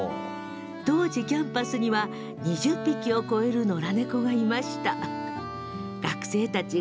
当時、キャンパスには２０匹を超える野良猫がいました。